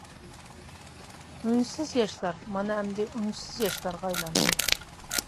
ئۇنسىز ياشلار، مانا ئەمدى ئۇنسىز ياشلارغا ئايلاندى.